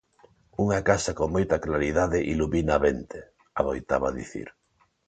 "Unha casa con moita claridade ilumina a mente", adoitaba dicir.